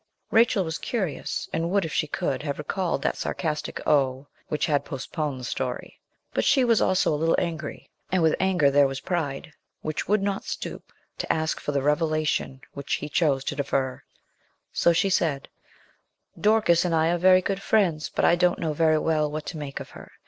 Rachel was curious, and would, if she could, have recalled that sarcastic 'oh' which had postponed the story; but she was also a little angry, and with anger there was pride, which would not stoop to ask for the revelation which he chose to defer; so she said, 'Dorcas and I are very good friends; but I don't know very well what to make of her.